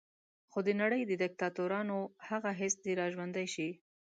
خو د نړۍ د دیکتاتورانو هغه حس دې را ژوندی شي.